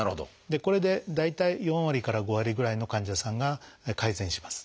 これで大体４割から５割ぐらいの患者さんが改善します。